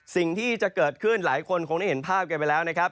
สิ่งที่จะเกิดขึ้นหลายคนคงได้เห็นภาพกันไปแล้วนะครับ